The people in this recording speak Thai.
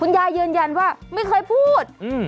ยายยืนยันว่าไม่เคยพูด